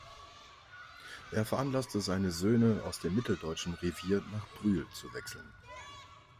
Er veranlasste seine Söhne aus dem Mitteldeutschen Revier nach Brühl zu wechseln.